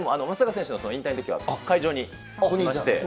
でも松坂選手の引退のときは、会場に行きまして。